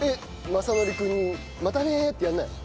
雅紀君に「またね」ってやらないの？